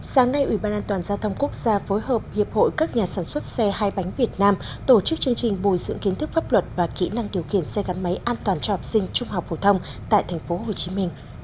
sáng nay ủy ban an toàn giao thông quốc gia phối hợp hiệp hội các nhà sản xuất xe hai bánh việt nam tổ chức chương trình bồi dưỡng kiến thức pháp luật và kỹ năng điều khiển xe gắn máy an toàn cho học sinh trung học phổ thông tại tp hcm